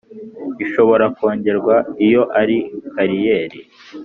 ishobora kongerwa iyo ari kariyeri